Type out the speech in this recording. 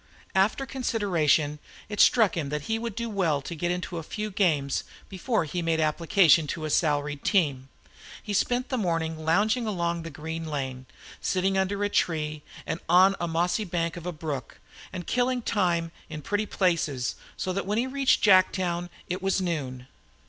After consideration, it struck him that he would do well to get into a few games before he made application to a salaried team. He spent the morning lounging along, the green lane, sitting under a tree, and on a mossy bank of a brook, and killing time in pretty places, so that when he reached Jacktown it was noon.